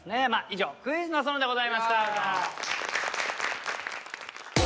以上「クイズの園」でございました。